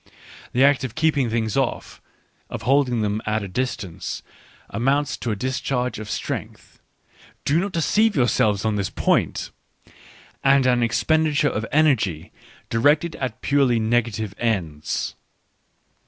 The act of keeping things off, of holding them at a distance, amounts to a discharge of strength, — do not deceive yourselves on this point !— and an expenditure of energy directed at purely negative ends.